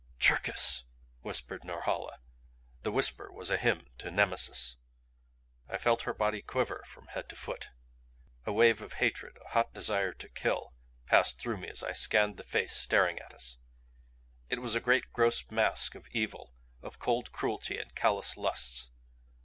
"Cherkis!" whispered Norhala the whisper was a hymn to Nemesis. I felt her body quiver from head to foot. A wave of hatred, a hot desire to kill, passed through me as I scanned the face staring at us. It was a great gross mask of evil, of cold cruelty and callous lusts.